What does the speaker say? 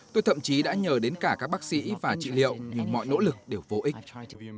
tôi thậm chí đã nhờ đến cả các bác sĩ và trị liệu vì mọi nỗ lực đều vô ích